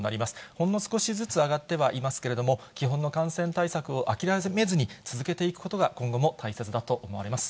ほんの少しずつ上がってはいますけれども、基本の感染対策を諦めずに続けていくことが、今後も大切だと思われます。